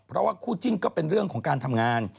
เพราะว่าคู่จิ้นก็เป็นเรื่องของการทำงาน